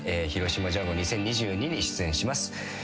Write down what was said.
『広島ジャンゴ２０２２』に出演します。